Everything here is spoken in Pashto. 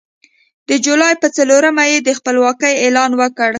د جولای په څلورمه یې د خپلواکۍ اعلان وکړ.